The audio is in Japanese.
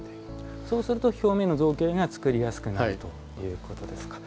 そうすると表面の造形が作りやすくなるということですか。